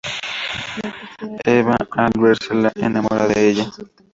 Eva, al verla, se enamora de ella.